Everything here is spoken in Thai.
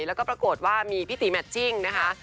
แล้วก็ปรากฏว่ามีพี่ตีแมทชิ่งนะคะ